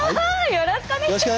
よろしくお願いします。